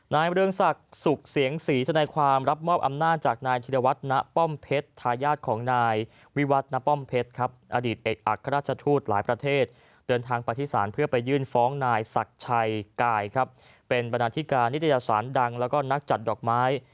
เมืองศักดิ์สุขเสียงศรีทนายความรับมอบอำนาจจากนายธิรวัฒนป้อมเพชรทายาทของนายวิวัตนป้อมเพชรครับอดีตเอกอัครราชทูตหลายประเทศเดินทางไปที่ศาลเพื่อไปยื่นฟ้องนายศักดิ์ชัยกายครับเป็นบรรณาธิการนิตยสารดังแล้วก็นักจัดดอกไม้